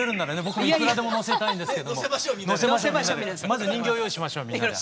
まず人形用意しましょうみんなで。